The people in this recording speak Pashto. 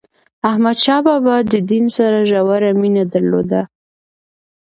احمد شاه بابا د دین سره ژوره مینه درلوده.